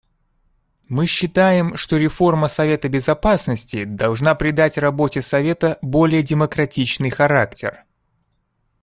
Мы считаем, что реформа Совета Безопасности должна придать работе Совета более демократичный характер.